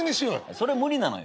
それ無理なのよ。